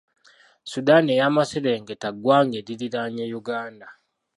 Sudan ey'amaserengeta ggwanga eririraanye Uganda.